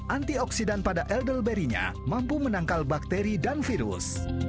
antioksidan pada eldelberry nya mampu menangkal bakteri dan virus